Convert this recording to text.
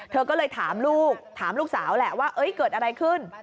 เธอก็เลยถามลูกถามลูกสาวแหละว่าเกิดอะไรขึ้น